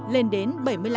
lên đến bảy mươi năm